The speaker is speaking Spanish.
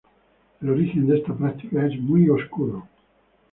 El origen de esta práctica es muy oscuro.